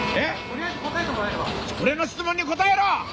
俺の質問に答えろ！